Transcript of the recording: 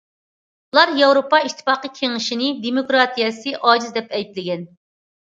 ئۇلار ياۋروپا ئىتتىپاقى كېڭىشىنى دېموكراتىيەسى ئاجىز، دەپ ئەيىبلىگەن.